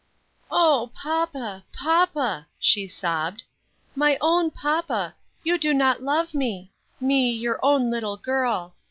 "O papa, papa!" she sobbed, "my own papa, you do not love me; me, your own little girl.